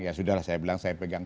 ya sudah lah saya bilang saya pegang